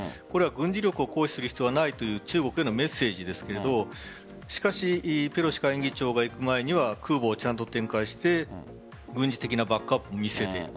軍事力を誇示する必要がないという中国のメッセージですがしかしペロシ下院議長が行く前には空母をちゃんと展開して軍事的なバックアップを見せている。